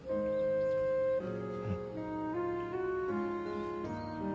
うん。